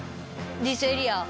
ディスエリア。